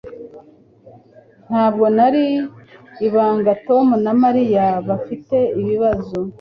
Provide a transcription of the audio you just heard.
Ntabwo ari ibanga Tom na Mariya bafite ibibazo